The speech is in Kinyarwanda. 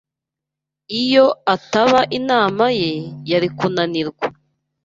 Iyo ataba inama ye, yari kunanirwa.